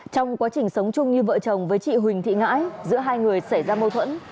trong quá trình sống chung như vợ chồng với chị huỳnh thị ngãi giữa hai người xảy ra mâu thuẫn